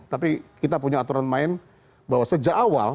tapi kita punya aturan main bahwa sejak awal